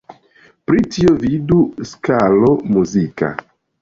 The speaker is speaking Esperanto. Pri tio vidu skalo muzika.